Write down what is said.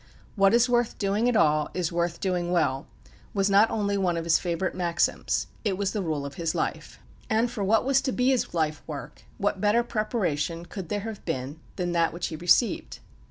"What is worth doing at all is worth doing well," was not only one of his favourite maxims it was the rule of his life. And for what was to be his life work, what better preparation could there have been than that which he received?